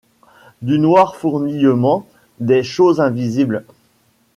Du noir fourmillement des choses invisibles